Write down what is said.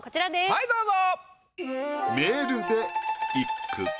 はいどうぞ。